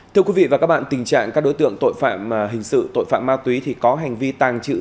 thưa quý vị và các bạn tình trạng các đối tượng tội phạm hình sự tội phạm ma túy thì có hành vi tàng trữ